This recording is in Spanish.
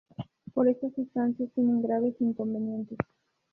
Pero estas sustancias tienen graves inconvenientes.